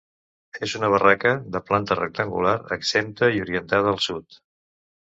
És una barraca de planta rectangular, exempta i orienta al sud.